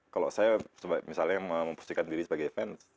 kalau saya misalnya memposisikan diri sebagai fans